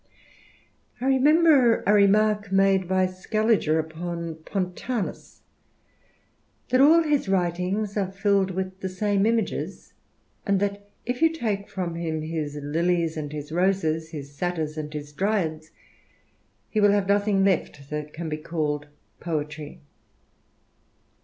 1 remember a remark made by Scaliger upon Poni..4ius, that all his writings are filled with the same images ; and that if you take from him his lilies and his roses, his satyrs ■nd his diyads, he will have nothing left that can be called poetty.